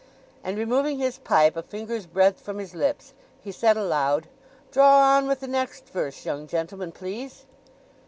And removing his pipe a finger's breadth from his lips, he said aloud, "Draw on with the next verse, young gentleman, please."